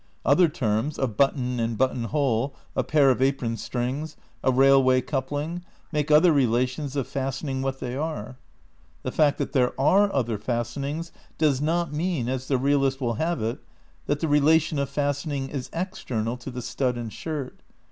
Other terms, a button and button hole, a pair of apron strings, a railway coupling, make other relations of fastening what they are. The fact that there are other "fastenings" does not mean, as the realist will have it, that the relation of fastening is external to the stud and shirt.